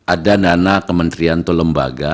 ada nana kementerian atau lembaga